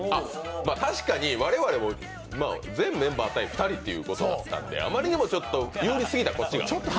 確かに我々も全メンバー対２人ということだったのであまりにも有利すぎた、こっちが。